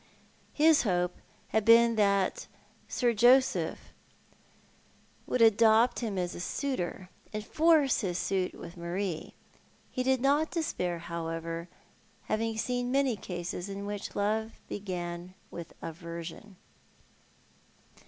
His hope had been that Sir Joseph would adopt 'J2 TJlou art the Man. him as a suitor, and force his suit with Marie. He did not despair, however, having seen many cases in which love began with aversion.